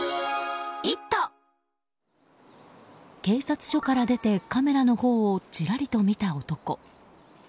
警察署から出てカメラのほうをちらりと見た男。